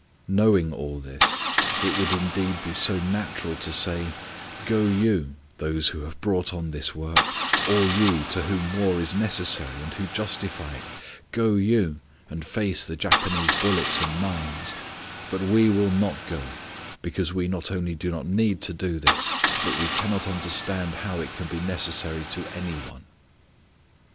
Knowing all this, it would indeed be so natural to say, "Go you, those who have brought on this work, all you to whom war is necessary, and who justify it; go you, and face the Japanese bullets and mines, but we will not go, because we not only do not need to do this, but we cannot understand how it can be necessary to any one."